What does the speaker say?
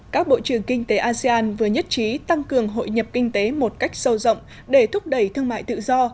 các bộ trưởng kinh tế asean vừa nhất trí tăng cường hội nhập kinh tế một cách sâu rộng để thúc đẩy thương mại tự do